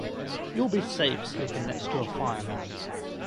You’ll be safe sleeping next to a fire man.